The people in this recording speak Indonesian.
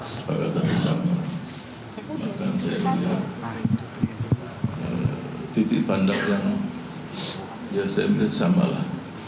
sepakat tak bersama maka saya melihat titik pandang yang ya saya melihat sama lah